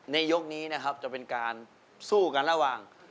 ยกนี้นะครับจะเป็นการสู้กันระหว่าง